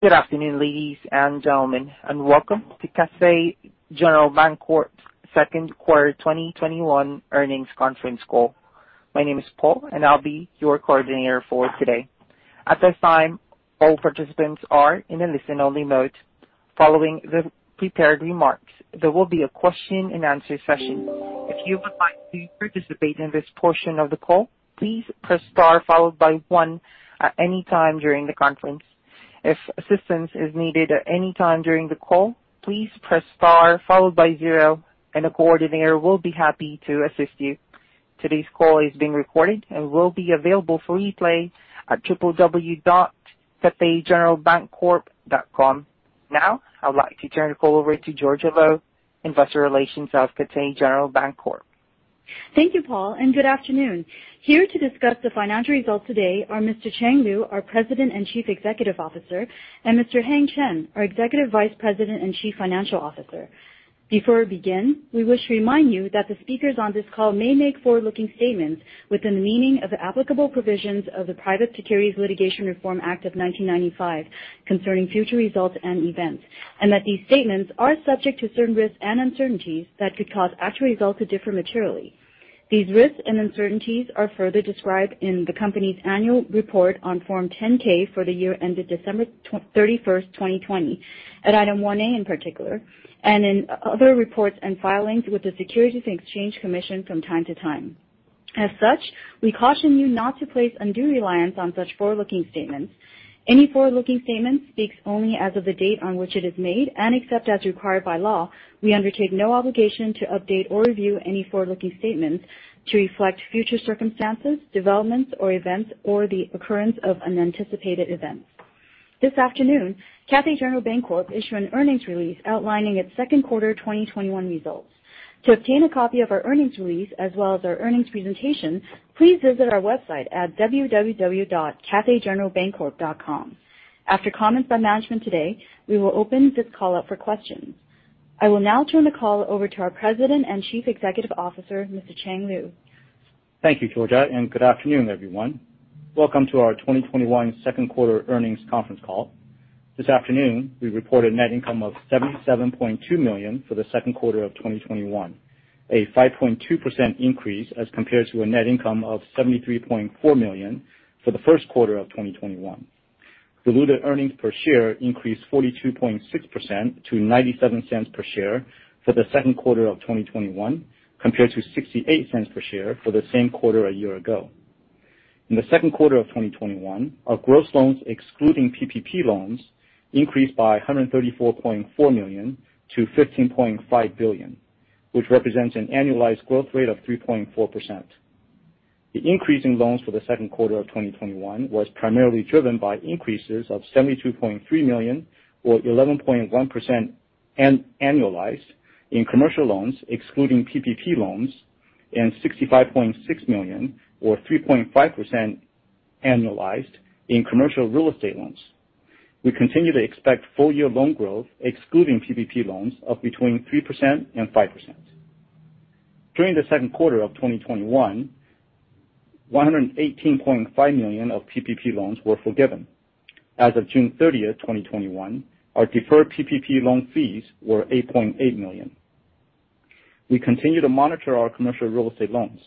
Good afternoon, ladies and gentlemen, and welcome to Cathay General Bancorp's second quarter 2021 earnings conference call. My name is Paul, and I'll be your coordinator for today. At this time, all participants are in a listen-only mode. Following the prepared remarks, there will be a question-and-answer session. If you would like to participate in this portion of the call, please press star followed by one at any time during the conference. If assistance is needed at any time during the call, please press star followed by zero, and a coordinator will be happy to assist you. Today's call is being recorded and will be available for replay at www.cathaygeneralbancorp.com. Now, I would like to turn the call over to Georgia Lo, Investor Relations of Cathay General Bancorp. Thank you, Paul, and good afternoon. Here to discuss the financial results today are Mr. Chang Liu, our President and Chief Executive Officer, and Mr. Heng Chen, our Executive Vice President and Chief Financial Officer. Before we begin, we wish to remind you that the speakers on this call may make forward-looking statements within the meaning of the applicable provisions of the Private Securities Litigation Reform Act of 1995 concerning future results and events, and that these statements are subject to certain risks and uncertainties that could cause actual results to differ materially. These risks and uncertainties are further described in the company's annual report on Form 10-K for the year ended December 31st, 2020, at Item 1A in particular, and in other reports and filings with the Securities and Exchange Commission from time to time. As such, we caution you not to place undue reliance on such forward-looking statements. Any forward-looking statement speaks only as of the date on which it is made. Except as required by law, we undertake no obligation to update or review any forward-looking statements to reflect future circumstances, developments or events, or the occurrence of unanticipated events. This afternoon, Cathay General Bancorp issued an earnings release outlining its second quarter 2021 results. To obtain a copy of our earnings release as well as our earnings presentation, please visit our website at www.cathaygeneralbancorp.com. After comments by management today, we will open this call up for questions. I will now turn the call over to our President and Chief Executive Officer, Mr. Chang Liu. Thank you, Georgia. Good afternoon, everyone. Welcome to our 2021 second quarter earnings conference call. This afternoon, we reported net income of $77.2 million for the second quarter of 2021, a 5.2% increase as compared to a net income of $73.4 million for the first quarter of 2021. Diluted earnings per share increased 42.6% to $0.97 per share for the second quarter of 2021, compared to $0.68 per share for the same quarter a year ago. In the second quarter of 2021, our gross loans, excluding PPP loans, increased by $134.4 million to $15.5 billion, which represents an annualized growth rate of 3.4%. The increase in loans for the second quarter of 2021 was primarily driven by increases of $72.3 million or 11.1% annualized in commercial loans, excluding PPP loans, and $65.6 million or 3.5% annualized in commercial real estate loans. We continue to expect full-year loan growth, excluding PPP loans, of between 3% and 5%. During the second quarter of 2021, $118.5 million of PPP loans were forgiven. As of June 30th, 2021, our deferred PPP loan fees were $8.8 million. We continue to monitor our commercial real estate loans.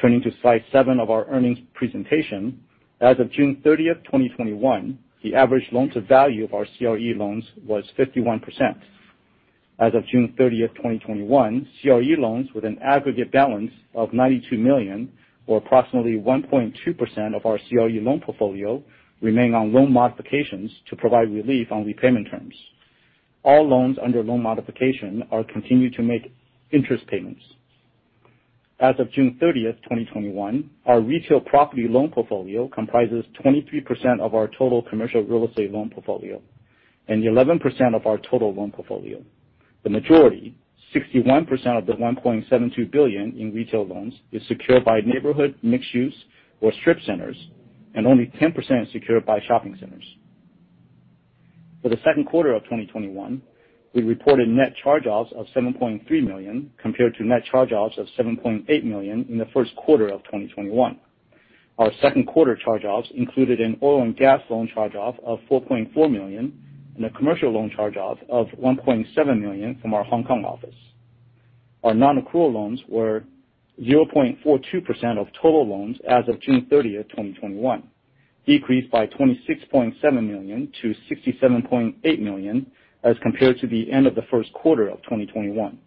Turning to slide seven of our earnings presentation, as of June 30th, 2021, the average loan-to-value of our CRE loans was 51%. As of June 30th, 2021, CRE loans with an aggregate balance of $92 million, or approximately 1.2% of our CRE loan portfolio, remain on loan modifications to provide relief on repayment terms. All loans under loan modification are continued to make interest payments. As of June 30th, 2021, our retail property loan portfolio comprises 23% of our total commercial real estate loan portfolio and 11% of our total loan portfolio. The majority, 61% of the $1.72 billion in retail loans, is secured by neighborhood mixed-use or strip centers, and only 10% is secured by shopping centers. For the second quarter of 2021, we reported net charge-offs of $7.3 million, compared to net charge-offs of $7.8 million in the first quarter of 2021. Our second quarter charge-offs included an oil and gas loan charge-off of $4.4 million and a commercial loan charge-off of $1.7 million from our Hong Kong office. Our non-accrual loans were 0.42% of total loans as of June 30th, 2021, decreased by $26.7 million to $67.8 million as compared to the end of the first quarter of 2021.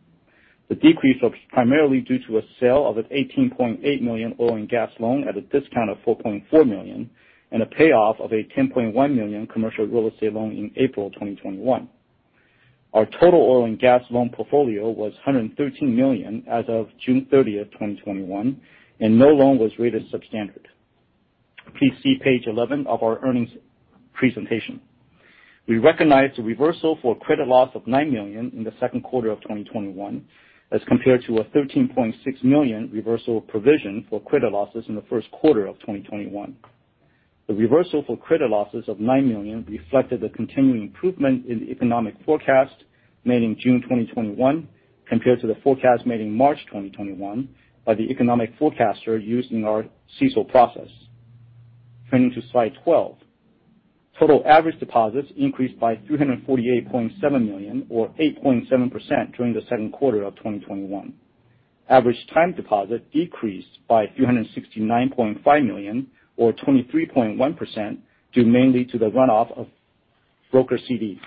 The decrease was primarily due to a sale of an $18.8 million oil and gas loan at a discount of $4.4 million and a payoff of a $10.1 million commercial real estate loan in April 2021. Our total oil and gas loan portfolio was $113 million as of June 30th, 2021, and no loan was rated substandard. Please see page 11 of our earnings presentation. We recognized a reversal for credit loss of $9 million in the second quarter of 2021 as compared to a $13.6 million reversal provision for credit losses in the first quarter of 2021. The reversal for credit losses of $9 million reflected the continuing improvement in the economic forecast made in June 2021 compared to the forecast made in March 2021 by the economic forecaster used in our CECL process. Turning to slide 12. Total average deposits increased by $348.7 million or 8.7% during the second quarter of 2021. Average time deposit decreased by $369.5 million or 23.1%, due mainly to the runoff of broker CDs.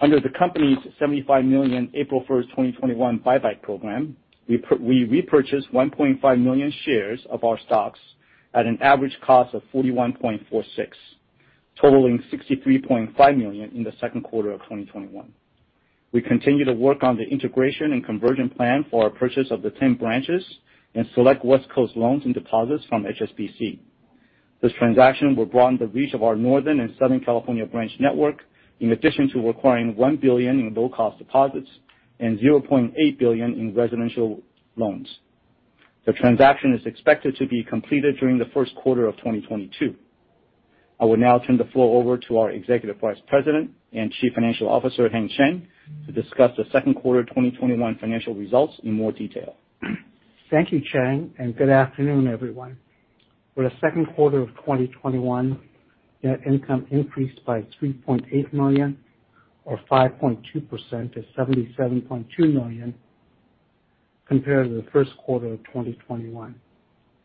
Under the company's $75 million April 1st, 2021 buyback program, we repurchased 1.5 million shares of our stocks at an average cost of $41.46, totaling $63.5 million in the second quarter of 2021. We continue to work on the integration and conversion plan for our purchase of the 10 branches and select West Coast loans and deposits from HSBC. This transaction will broaden the reach of our Northern and Southern California branch network, in addition to acquiring $1 billion in low-cost deposits and $0.8 billion in residential loans. The transaction is expected to be completed during the first quarter of 2022. I will now turn the floor over to our Executive Vice President and Chief Financial Officer, Heng Chen, to discuss the second quarter 2021 financial results in more detail. Thank you, Chang. Good afternoon, everyone. For the second quarter of 2021, net income increased by $3.8 million or 5.2% to $77.2 million compared to the first quarter of 2021.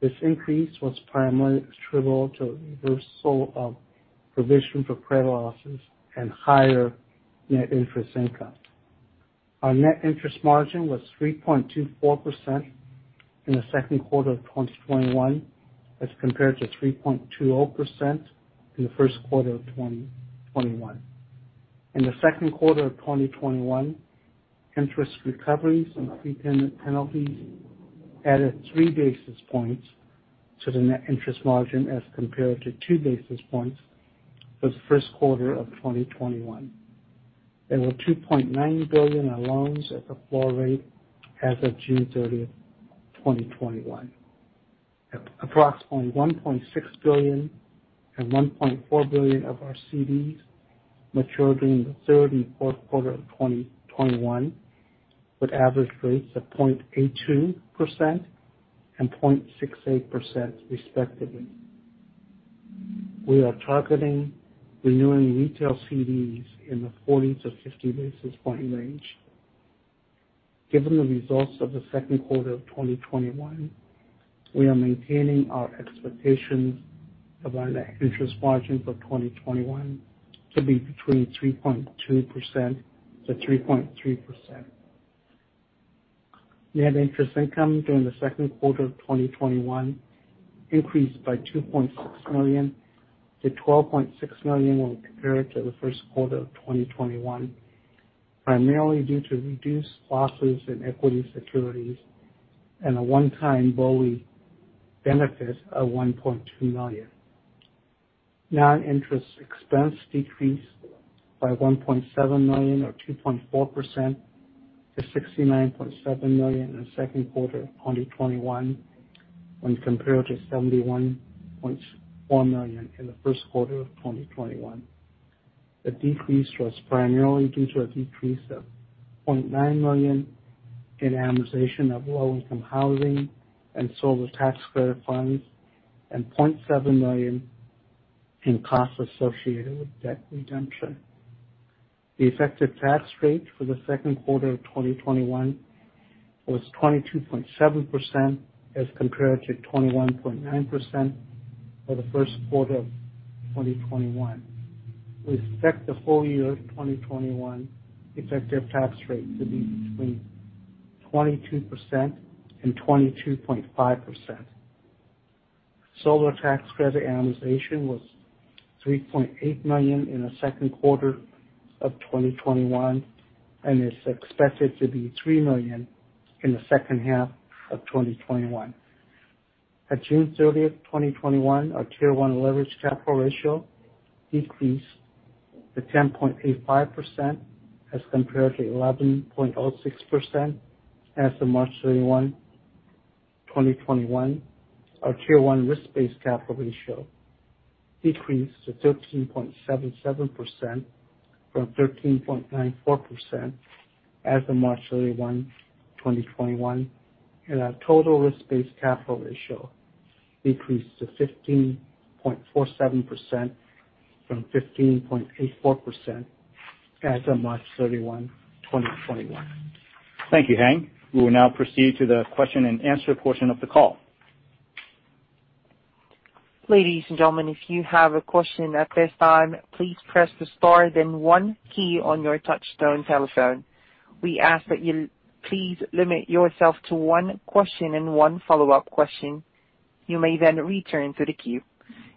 This increase was primarily attributable to a reversal of provision for credit losses and higher net interest income. Our net interest margin was 3.24% in the second quarter of 2021 as compared to 3.20% in the first quarter of 2021. In the second quarter of 2021, interest recoveries and prepayment penalties added 3 basis points to the net interest margin as compared to 2 basis points for the first quarter of 2021. There were $2.9 billion in loans at the floor rate as of June 30, 2021. Approximately $1.6 billion and $1.4 billion of our CDs matured during the third and fourth quarter of 2021, with average rates of 0.82% and 0.68%, respectively. We are targeting renewing retail CDs in the 40-50 basis point range. Given the results of the second quarter of 2021, we are maintaining our expectations of our net interest margin for 2021 to be between 3.2% to 3.3%. Net interest income during the second quarter of 2021 increased by $2.6 million to $12.6 million when compared to the first quarter of 2021, primarily due to reduced losses in equity securities and a one-time BOLI benefit of $1.2 million. Non-interest expense decreased by $1.7 million or 2.4% to $69.7 million in the second quarter of 2021 when compared to $71.4 million in the first quarter of 2021. The decrease was primarily due to a decrease of $0.9 million in amortization of low-income housing and solar tax credit funds and $0.7 million in costs associated with debt redemption. The effective tax rate for the second quarter of 2021 was 22.7% as compared to 21.9% for the first quarter of 2021. We expect the full year 2021 effective tax rate to be between 22% and 22.5%. Solar tax credit amortization was $3.8 million in the second quarter of 2021 and is expected to be $3 million in the second half of 2021. At June 30th, 2021, our Tier 1 leverage capital ratio decreased to 10.85% as compared to 11.06% as of March 31, 2021. Our Tier 1 risk-based capital ratio decreased to 13.77% from 13.94% as of March 31, 2021, and our total risk-based capital ratio decreased to 15.47% from 15.84% as of March 31, 2021. Thank you, Heng. We will now proceed to the question-and-answer portion of the call. Ladies and gentlemen, if you have a question at this time, please press the star then one key on your touchtone telephone. We ask that you please limit yourself to one question and one follow-up question. You may then return to the queue.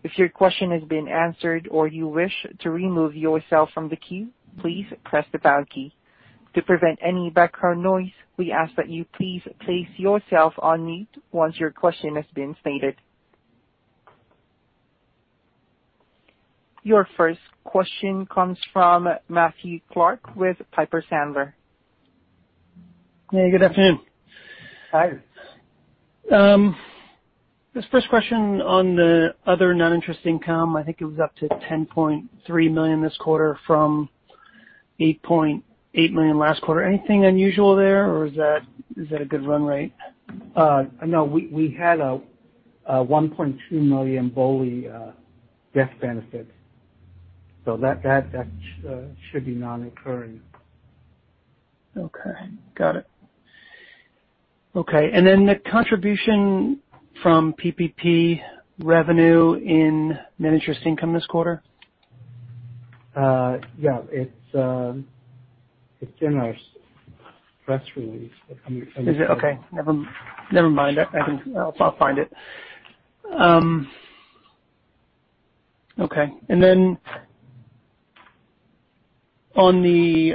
If your question has been answered or you wish to remove yourself from the queue, please press the pound key. To prevent any background noise, we ask that you please place yourself on mute once your question has been stated. Your first question comes from Matthew Clark with Piper Sandler. Hey, good afternoon. Hi. This first question on the other non-interest income, I think it was up to $10.3 million this quarter from $8.8 million last quarter. Anything unusual there, or is that a good run rate? No. We had a $1.2 million BOLI death benefit. That should be non-occurring. Okay. Got it. Okay, then the contribution from PPP revenue in net interest income this quarter? Yeah. It's in our press release. Is it? Okay. Never mind. I'll find it. Okay. On the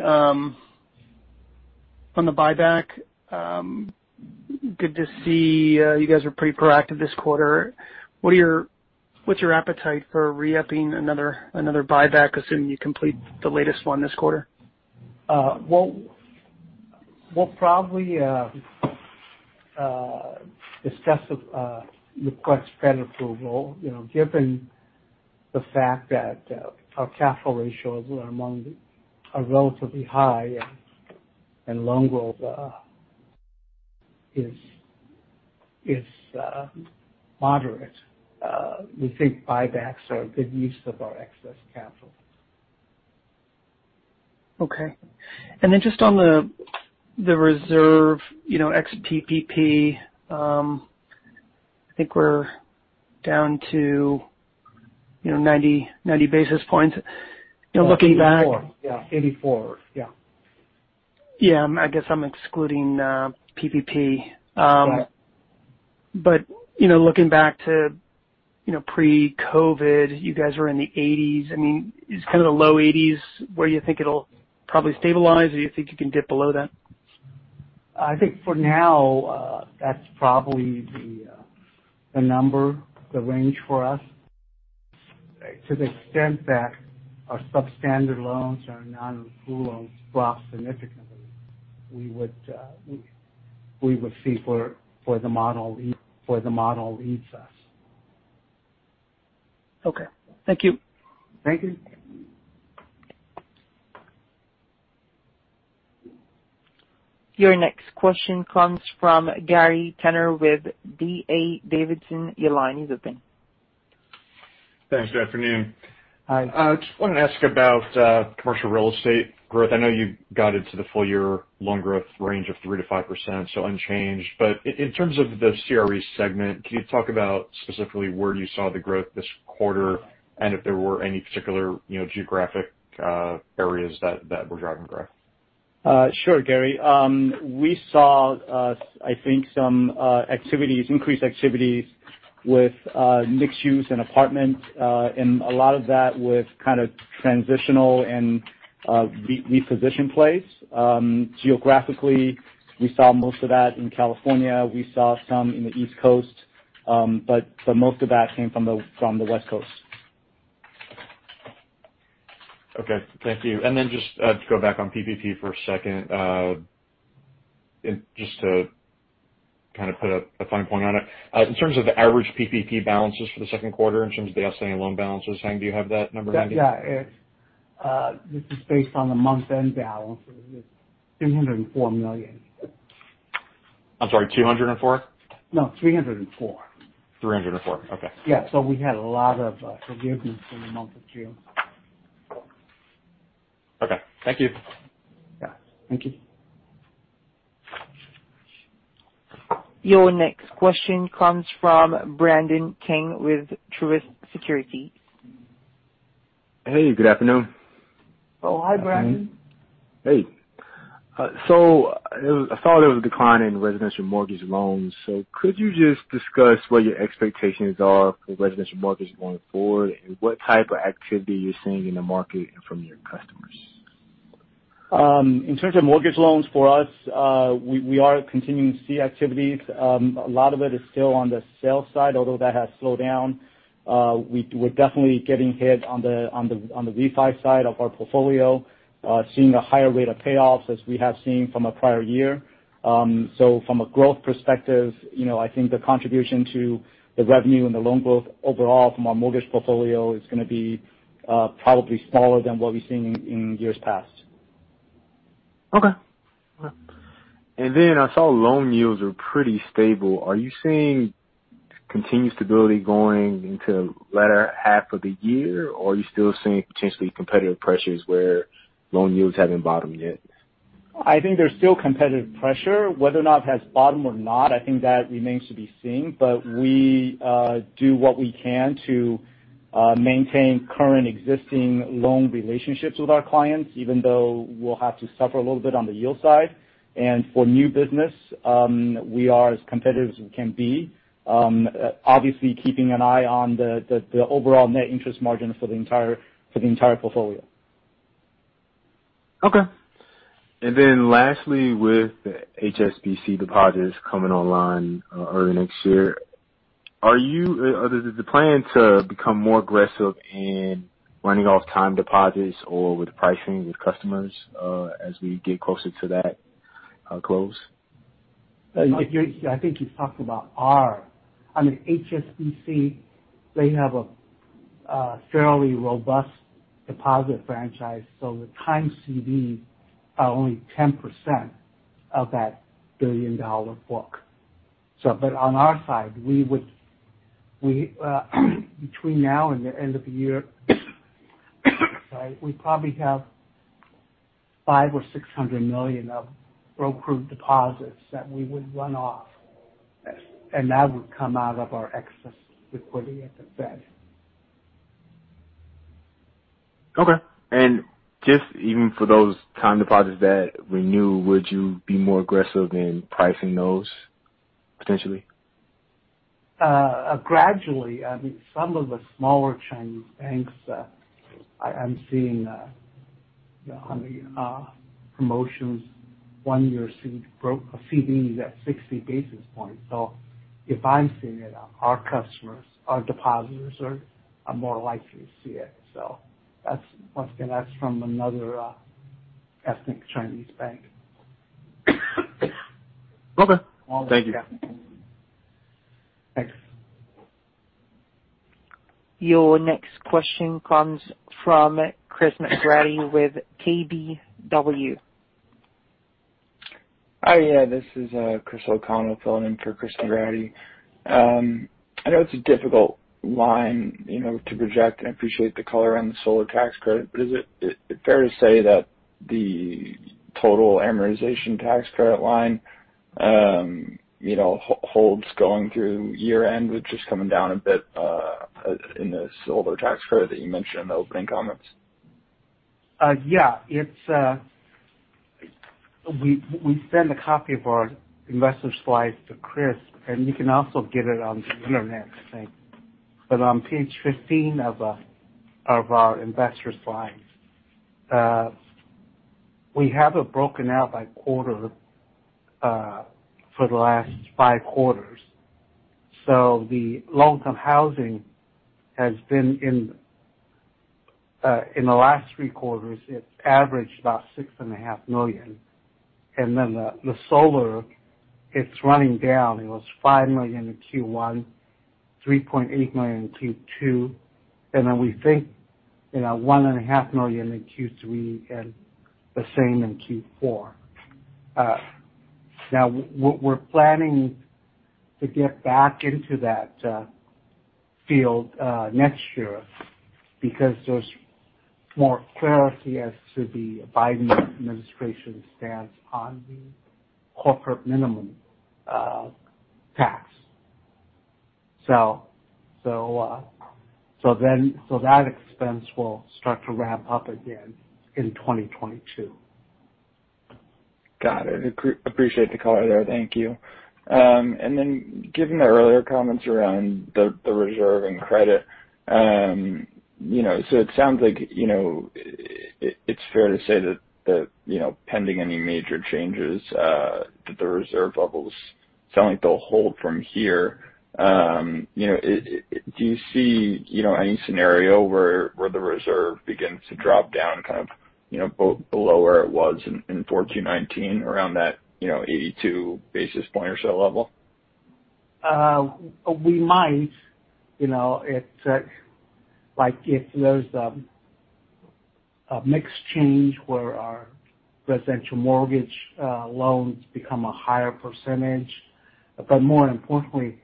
buyback, good to see you guys are pretty proactive this quarter. What's your appetite for re-upping another buyback, assuming you complete the latest one this quarter? We'll probably discuss, request Fed approval. Given the fact that our capital ratios are relatively high and loan growth is moderate. We think buybacks are a good use of our excess capital. Okay. Just on the reserve, ex-PPP, I think we're down to 90 basis points. 84. Yeah. Yeah. I guess I'm excluding PPP. Right. Looking back to pre-COVID, you guys were in the 80s. Is kind of the low 80s where you think it'll probably stabilize, or you think you can dip below that? I think for now, that's probably the number, the range for us. To the extent that our substandard loans and our non-accrual loans drop significantly, we would see where the model leads us. Okay. Thank you. Thank you. Your next question comes from Gary Tenner with D.A. Davidson. Your line is open. Thanks. Good afternoon. Hi. I just wanted to ask about commercial real estate growth. I know you guided to the full year loan growth range of 3%-5%, so unchanged. In terms of the CRE segment, can you talk about specifically where you saw the growth this quarter and if there were any particular geographic areas that were driving growth? Sure, Gary. We saw, I think, some increased activities with mixed use and apartments, and a lot of that with kind of transitional and reposition plays. Geographically, we saw most of that in California. We saw some in the East Coast. Most of that came from the West Coast. Okay. Thank you. Just to go back on PPP for a second, just to kind of put a fine point on it. In terms of the average PPP balances for the second quarter, in terms of the SBA loan balances, Heng, do you have that number handy? Yeah. This is based on the month-end balance. It is $304 million. I'm sorry, 204? No, 304. 304. Okay. Yeah. We had a lot of forgiveness in the month of June. Okay. Thank you. Yeah. Thank you. Your next question comes from Brandon King with Truist Securities. Hey, good afternoon. Oh, hi, Brandon. Hey. I saw there was a decline in residential mortgage loans. Could you just discuss what your expectations are for residential mortgage going forward, and what type of activity you're seeing in the market and from your customers? In terms of mortgage loans for us, we are continuing to see activities. A lot of it is still on the sale side, although that has slowed down. We're definitely getting hit on the refi side of our portfolio. Seeing a higher rate of payoffs as we have seen from a prior year. From a growth perspective, I think the contribution to the revenue and the loan book overall from our mortgage portfolio is going to be probably smaller than what we've seen in years past. Okay. I saw loan yields are pretty stable. Are you seeing continued stability going into the latter half of the year, or are you still seeing potentially competitive pressures where loan yields haven't bottomed yet? I think there's still competitive pressure. Whether or not it has bottomed or not, I think that remains to be seen. We do what we can to maintain current existing loan relationships with our clients, even though we'll have to suffer a little bit on the yield side. For new business, we are as competitive as we can be. Obviously keeping an eye on the overall net interest margin for the entire portfolio. Okay. Lastly, with the HSBC deposits coming online early next year, is the plan to become more aggressive in running off time deposits or with pricing with customers, as we get closer to that close? I think you're talking about our HSBC, they have a fairly robust deposit franchise. The time CDs are only 10% of that billion-dollar book. On our side, between now and the end of the year, we probably have $500 million or $600 million of brokered deposits that we would run off, and that would come out of our excess liquidity at the Fed. Okay. Just even for those time deposits that renew, would you be more aggressive in pricing those potentially? Gradually. Some of the smaller Chinese banks that I'm seeing on the promotions, one year CDs at 60 basis points. If I'm seeing it, our customers, our depositors are more likely to see it. Once again, that's from another ethnic Chinese bank. Okay. Thank you. Thanks. Your next question comes from Chris McGratty with KBW. Hi, this is Chris O'Connell filling in for Chris McGratty. I know it's a difficult line to project, and I appreciate the color on the solar tax credit. Is it fair to say that the total amortization tax credit line holds going through year-end with just coming down a bit, in the solar tax credit that you mentioned in the opening comments? Yeah. We send a copy of our investor slides to Chris, and you can also get it on the internet, I think. On page 15 of our Investor slides, we have it broken out by quarter for the last five quarters. The low-income housing has been in the last three quarters, it's averaged about $6.5 million. The solar, it's running down. It was $5 million in Q1, $3.8 million in Q2, and then we think $1.5 million in Q3, and the same in Q4. Now, we're planning to get back into that field next year because there's more clarity as to the Biden administration stance on the corporate minimum tax. That expense will start to ramp up again in 2022. Got it. Appreciate the color there. Thank you. Given the earlier comments around the reserve and credit, it sounds like it's fair to say that pending any major changes, the reserve levels sound like they'll hold from here. Do you see any scenario where the reserve begins to drop down below where it was in 4Q 2019, around that 82 basis point or so level? We might. If there's a mix change where our residential mortgage loans become a higher percentage. More importantly,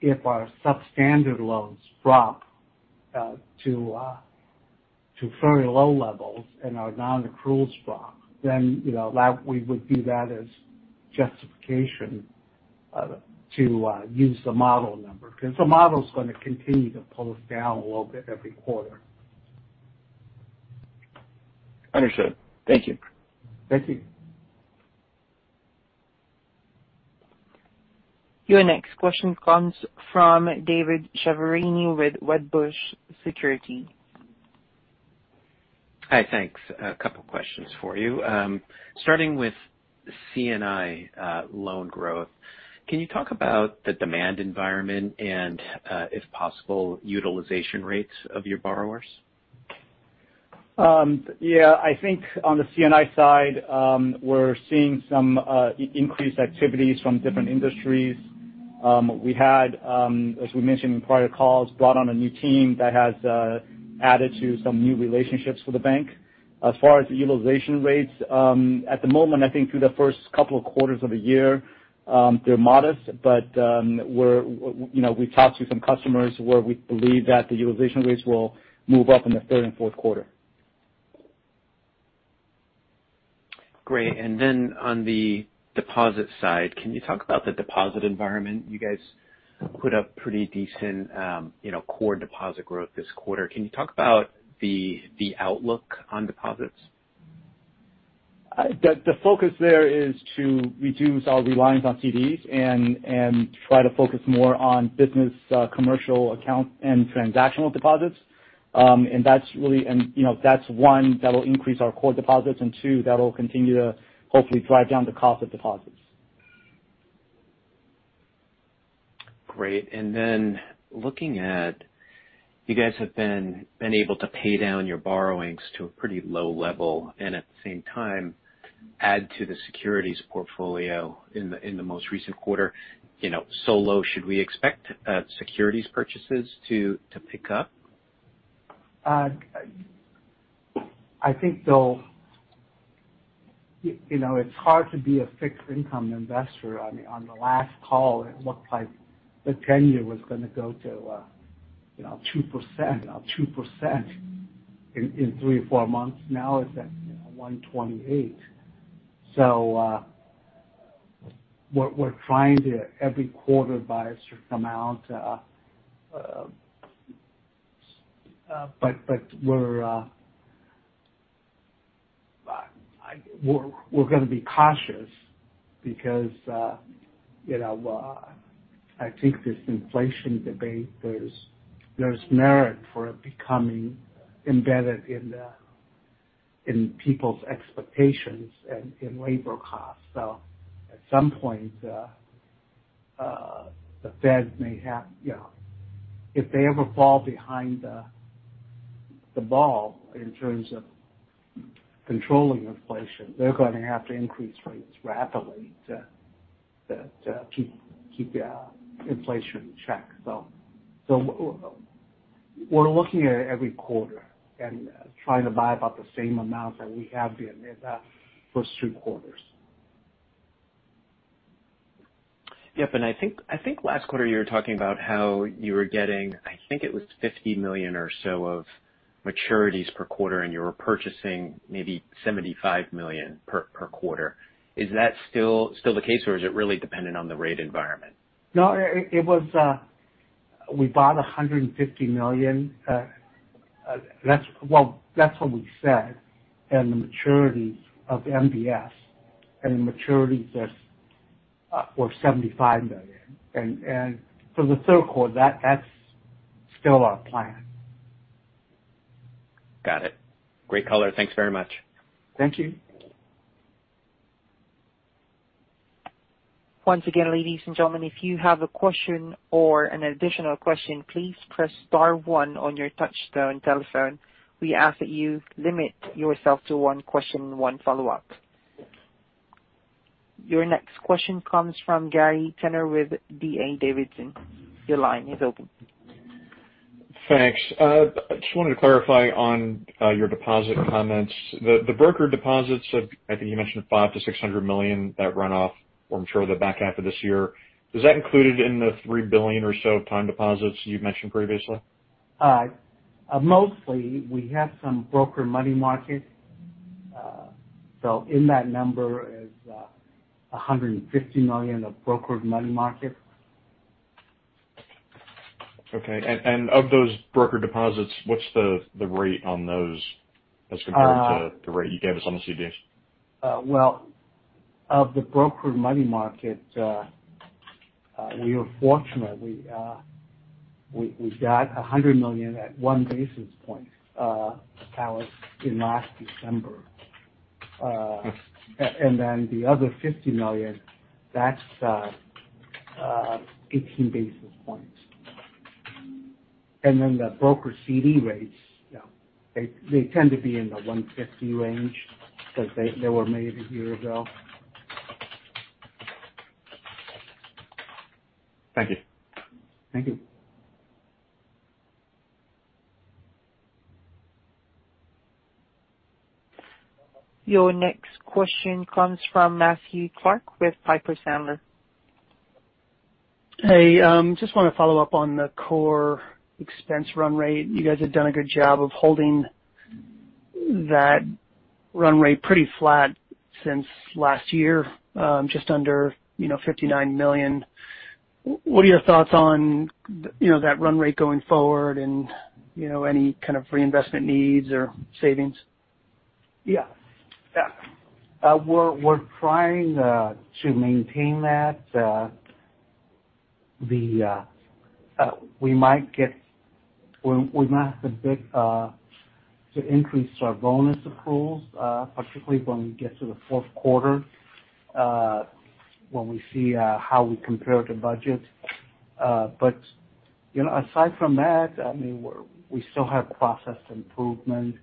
if our substandard loans drop to fairly low levels and our non-accruals drop, then we would view that as justification to use the model number. The model's going to continue to pull us down a little bit every quarter. Understood. Thank you. Thank you. Your next question comes from David Chiaverini with Wedbush Securities. Hi, thanks. A couple questions for you. Starting with C&I loan growth, can you talk about the demand environment and, if possible, utilization rates of your borrowers? Yeah, I think on the C&I side, we're seeing some increased activities from different industries. We had, as we mentioned in prior calls, brought on a new team that has added to some new relationships for the bank. As far as the utilization rates, at the moment, I think through the first couple of quarters of the year, they're modest, but we talked to some customers where we believe that the utilization rates will move up in the third and fourth quarter. Great. On the deposit side, can you talk about the deposit environment? You guys put up pretty decent core deposit growth this quarter. Can you talk about the outlook on deposits? The focus there is to reduce our reliance on CDs and try to focus more on business commercial accounts and transactional deposits. That's one, that will increase our core deposits, and two, that will continue to hopefully drive down the cost of deposits. Great. Then looking at, you guys have been able to pay down your borrowings to a pretty low level, and at the same time, add to the securities portfolio in the most recent quarter so low. Should we expect securities purchases to pick up? I think it's hard to be a fixed income investor. On the last call, it looked like the tenor was going to go to 2% in three or four months. Now it's at 1.28%. We're trying to every quarter buy a certain amount. We're going to be cautious because I think this inflation debate, there's merit for it becoming embedded in people's expectations and in labor costs. At some point, if they ever fall behind the ball in terms of controlling inflation, they're going to have to increase rates rapidly to keep their inflation in check. We're looking at it every quarter and trying to buy about the same amount that we have been in the first two quarters. Yep. I think last quarter you were talking about how you were getting, I think it was $50 million or so of maturities per quarter, and you were purchasing maybe $75 million per quarter. Is that still the case, or is it really dependent on the rate environment? No, we bought $150 million. Well, that's what we said. The maturities of MBS and the maturities were $75 million. For the third quarter, that's still our plan. Got it. Great color. Thanks very much. Thank you. Once again, ladies and gentlemen, if you have a question or an additional question, please press star one on your touchtone telephone. We ask that you limit yourself to one question and one follow-up. Your next question comes from Gary Tenner with D.A. Davidson. Your line is open. Thanks. I just wanted to clarify on your deposit comments. The broker deposits, I think you mentioned $500 million-$600 million that run off for sure the back half of this year. Is that included in the $3 billion or so time deposits you've mentioned previously? Mostly, we have some broker money market. In that number is $150 million of brokered money market. Okay. Of those broker deposits, what's the rate on those as compared to the rate you gave us on the CDs? Well, of the brokered money market, we were fortunate. We got $100 million at 1 basis point, that was in last December. The other $50 million, that's 18 basis points. The broker CD rates, they tend to be in the [150] range because they were made a year ago. Thank you. Thank you. Your next question comes from Matthew Clark with Piper Sandler. Hey, just want to follow up on the core expense run rate. You guys have done a good job of holding that run rate pretty flat since last year, just under $59 million. What are your thoughts on that run rate going forward and any kind of reinvestment needs or savings? Yeah. We're trying to maintain that. We might have to increase our bonus approvals, particularly when we get to the fourth quarter, when we see how we compare to budget. Aside from that, we still have process improvement.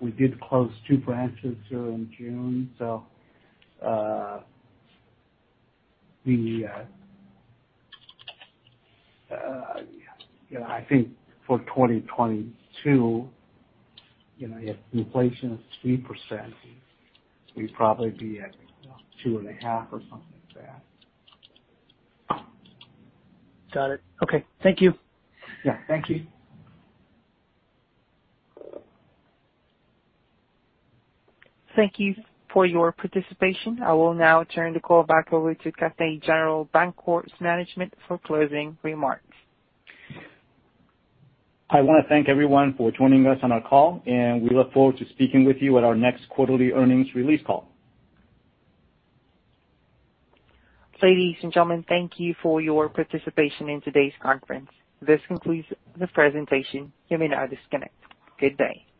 We did close two branches during June. I think for 2022, if inflation is 3%, we'd probably be at 2.5% or something like that. Got it. Okay. Thank you. Yeah. Thank you. Thank you for your participation. I will now turn the call back over to Cathay General Bancorp's management for closing remarks. I want to thank everyone for joining us on our call. We look forward to speaking with you at our next quarterly earnings release call. Ladies and gentlemen, thank you for your participation in today's conference. This concludes the presentation. You may now disconnect. Good day.